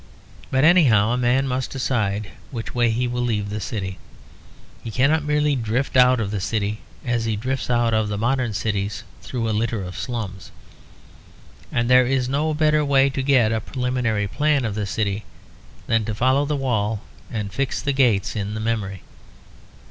But anyhow, a man must decide which way he will leave the city; he cannot merely drift out of the city as he drifts out of the modern cities through a litter of slums. And there is no better way to get a preliminary plan of the city than to follow the wall and fix the gates in the memory.